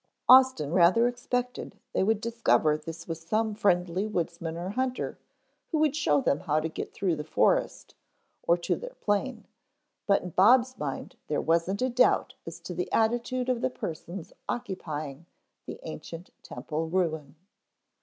Austin rather expected they would discover this was some friendly woodsman or hunter who would show them how to get through the forest or to their plane, but in Bob's mind there wasn't a doubt as to the attitude of the persons occupying the ancient temple ruin.